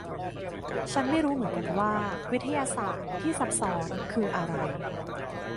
ฉันไม่รู้เหมือนกันว่าวิทยาศาสตร์ที่ซับซ้อนคืออะไร